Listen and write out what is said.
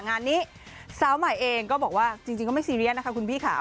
งานนี้สาวใหม่เองก็บอกว่าจริงก็ไม่ซีเรียสนะคะคุณพี่ค่ะ